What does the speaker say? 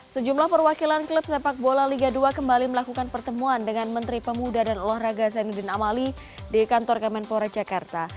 sejumlah perwakilan klub sepak bola liga dua kembali melakukan pertemuan dengan menteri pemuda dan olahraga zainuddin amali di kantor kemenpora jakarta